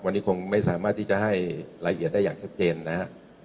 วันนี้คงไม่สามารถที่จะให้รายละเอียดได้อย่างชัดเจนนะครับ